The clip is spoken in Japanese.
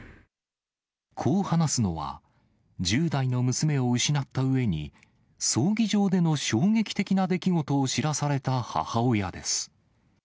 こう話すのは、１０代の娘を失ったうえに、葬儀場での衝撃的な出来事を知らされた母親です。